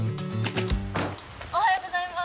おはようございます。